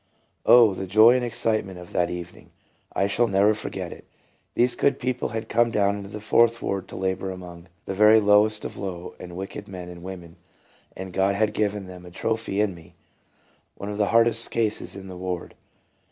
Oh, the joy and excitement of that even ing! I shall never forget it. These good people had come down into the Fourth ward to labor among the very lowest of low and wicked men and women, and God had given them a trophy in me, one of the hardest cases in the ward.